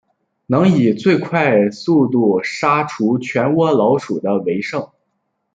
能以最快速度杀除全窝老鼠的为胜。